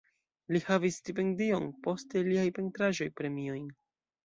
Li havis stipendion, poste liaj pentraĵoj premiojn.